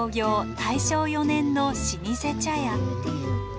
大正４年の老舗茶屋。